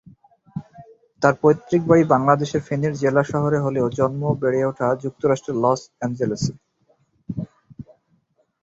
তার পৈতৃক বাড়ি বাংলাদেশে ফেনীর জেলা শহরে হলেও জন্ম, বেড়ে ওঠা যুক্তরাষ্ট্রের লস এনঞ্জেলেস।